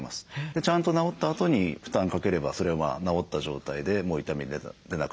ちゃんと治ったあとに負担かければそれは治った状態でもう痛み出なくなる。